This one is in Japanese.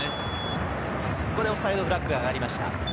オフサイドフラッグが上がりました。